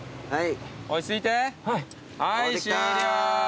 はい。